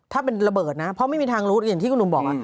ถ้าเป็นระเบิดนะเพราะไม่มีทางรู้อย่างที่คุณหนุ่มบอก